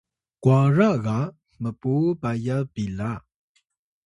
kwara ga mpuw payat pila